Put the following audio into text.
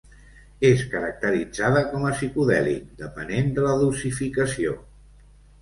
És caracteritzada com a psicodèlic, depenent de la dosificació.